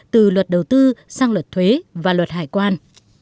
từ luật đầu tư sang luật thuế và luật hải quan